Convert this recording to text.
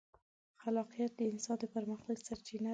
خلاقیت د انسان د پرمختګ سرچینه ده.